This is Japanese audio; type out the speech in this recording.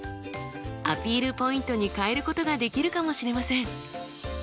アピールポイントに変えることができるかもしれません。